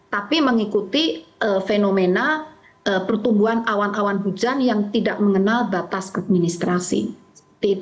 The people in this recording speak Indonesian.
tapi mengikuti fenomena pertumbuhan awan awan hujan yang tidak mengenal batas administrasi